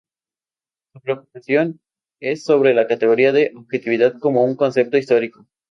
Su preocupación es sobre la categoría de "objetividad" como un concepto histórico.